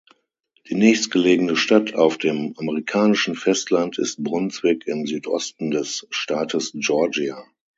Die nächstgelegene Stadt auf dem amerikanischen Festland ist Brunswick im Südosten des Staates Georgia.